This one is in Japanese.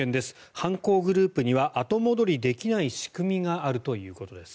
犯行グループには後戻りできない仕組みがあるということです。